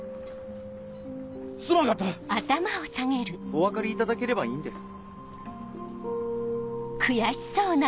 お分かりいただければいいんです。